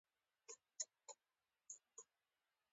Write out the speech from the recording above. د بازار د نظم او سمبالښت لپاره لازم ګامونه واخلي.